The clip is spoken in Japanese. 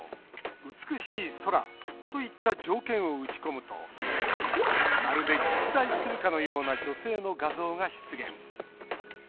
「美しい空」といった条件を打ち込むとまるで実在するかのような女性の画像が出現。